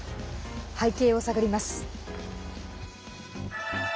背景を探ります。